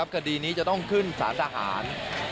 คดีนี้จะต้องขึ้นสารทหาร